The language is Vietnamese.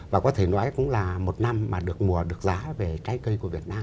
và có thể nói cũng là một năm mà được mùa được giá về trái cây của việt nam